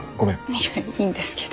いやいいんですけど。